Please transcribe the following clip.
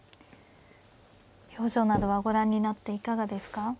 表情などはご覧になっていかがですか。